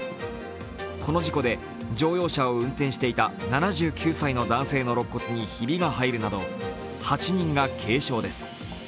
この事故で乗用車を運転していた７９歳の男性のろっ骨にひびが入るなど８人が軽傷です。